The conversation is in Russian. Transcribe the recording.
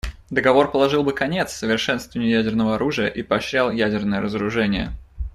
Договор положил бы конец совершенствованию ядерного оружия и поощрял ядерное разоружение.